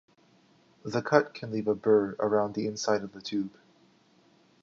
The cut can leave a burr around the inside of the tube.